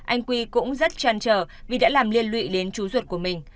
anh quy cũng rất chăn trở vì đã làm liên lụy đến chú ruột của mình